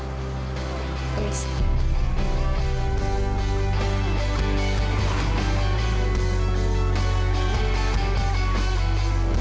aku tampak ingin bercampur